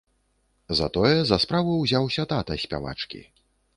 Затое за справу ўзяўся тата спявачкі.